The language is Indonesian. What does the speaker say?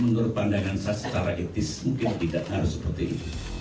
menurut pandangan saya secara etis mungkin tidak harus seperti ini